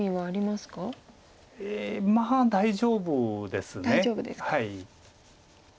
まあ大丈夫です。